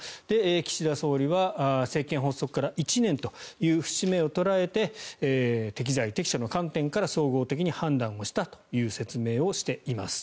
岸田総理は政権発足から１年という節目を捉えて適材適所の観点から総合的に判断したという説明をしています。